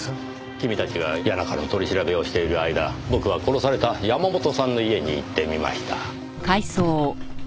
君たちが谷中の取り調べをしている間僕は殺された山本さんの家に行ってみました。